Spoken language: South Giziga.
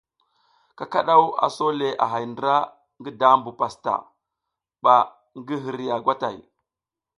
Kakadaw a so le a hay ndra ngi dabu pastaʼa ban gi hirya gwatay.